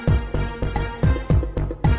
กินโทษส่องแล้วอย่างนี้ก็ได้